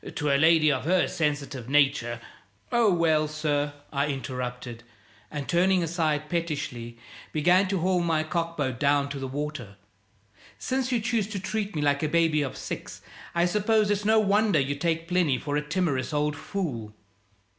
To a lady of her sensitive nature " "Oh, well, sir," I interrupted and, turning aside pettishly, began to haul my cockboat down to the water, "since you choose to treat me like a baby of six, I suppose it's no wonder you take Plinny for a timorous old fool."